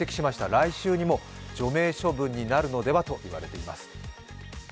来週にも除名処分になるのではといわれています。